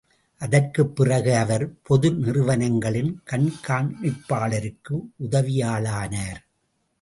அதற்குப் பிறகு அவர், பொது நிறுவனங்களின் கண்காணிப்பாளருக்கு உதவியாளரானார்.